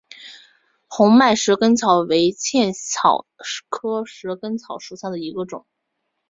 红脉蛇根草为茜草科蛇根草属下的一个种。